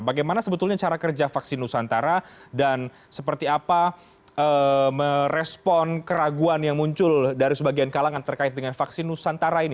bagaimana sebetulnya cara kerja vaksin nusantara dan seperti apa merespon keraguan yang muncul dari sebagian kalangan terkait dengan vaksin nusantara ini